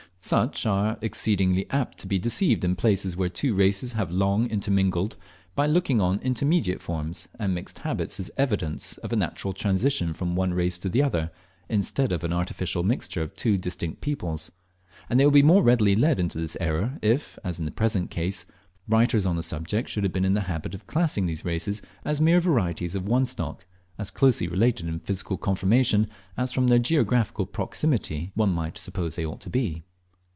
Such are exceedingly apt to be deceived in places where two races have long, intermingled, by looking on intermediate forms and mixed habits as evidences of a natural transition from one race to the other, instead of an artificial mixture of two distinct peoples; and they will be the more readily led into this error if, as in the present case, writers on the subject should have been in the habit of classing these races as mere varieties of one stock, as closely related in physical conformation as from their geographical proximity one might suppose they ought to be.